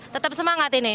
tetap semangat ini